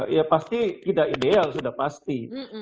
ya pasti tidak ideal sudah pasti